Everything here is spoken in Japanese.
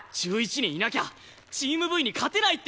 １１人いなきゃチームＶに勝てないって言ってんだ！